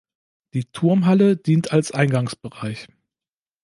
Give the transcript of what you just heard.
Die Turmhalle dient als Eingangsbereich.